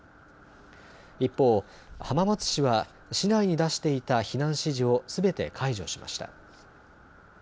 一方、浜松市は市内に出していた避難指示をすべて解除しました。